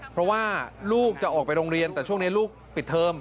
เพราะว่าลูกจะออกไปโรงเรียนแต่ช่วงนี้ลูกปิดเทอม